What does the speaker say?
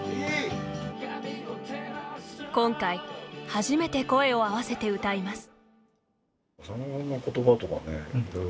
今回、初めて声を合わせて歌います。